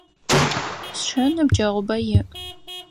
Сшы ныбджэгъубэ иӏ.